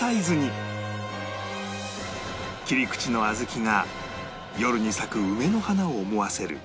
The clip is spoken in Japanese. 切り口の小豆が夜に咲く梅の花を思わせる